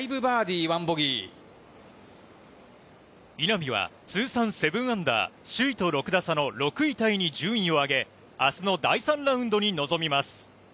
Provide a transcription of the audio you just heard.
稲見は通算７アンダー首位と６打差の６位タイに順位を上げ明日の第３ラウンドに臨みます。